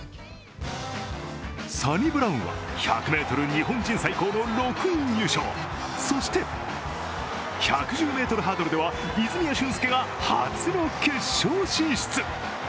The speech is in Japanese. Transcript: サニブラウンは１００ｍ日本人最高の６位入賞、そして、１１０ｍハードルでは泉谷駿介が初の決勝進出。